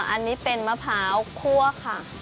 อันนี้เป็นมะพร้าวคั่วค่ะ